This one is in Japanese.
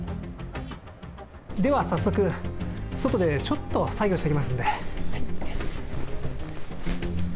では早速、外でちょっと作業をしてきますので。